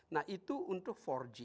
nah itu untuk empat g